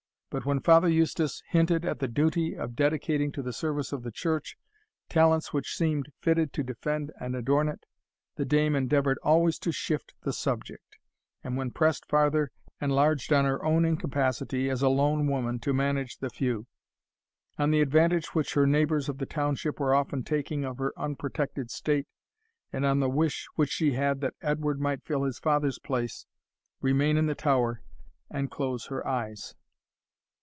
But when Father Eustace hinted at the duty of dedicating to the service of the Church, talents which seemed fitted to defend and adorn it, the dame endeavoured always to shift the subject; and when pressed farther, enlarged on her own incapacity, as a lone woman, to manage the feu; on the advantage which her neighbours of the township were often taking of her unprotected state, and on the wish she had that Edward might fill his father's place, remain in the tower, and close her eyes.